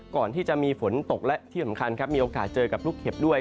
ก่อนที่จะมีฝนตกและที่สำคัญครับมีโอกาสเจอกับลูกเห็บด้วย